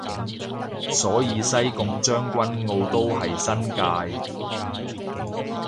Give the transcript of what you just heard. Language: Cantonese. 所以西貢將軍澳都係新界